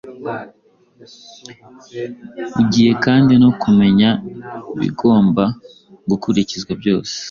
Ugiye kandi no kumenya ibigomba gukurikizwa byose